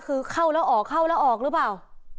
คือเข้าแล้วออกหรือเปล่า